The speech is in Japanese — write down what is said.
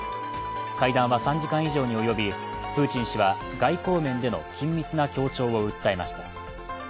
会談は３時間以上に及び、プーチン氏は外交面での緊密な協調を訴えました。